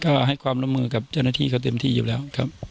ก็เอาให้ความร่วมมือกับเจราะนาทีเขาที่เต็มอยู่แล้ว